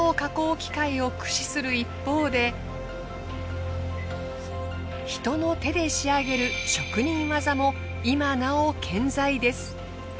機械を駆使する一方で人の手で仕上げる職人技も今なお健在です。